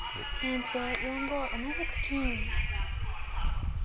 先手４五同じく金。